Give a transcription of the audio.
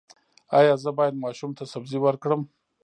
ایا زه باید ماشوم ته سبزي ورکړم؟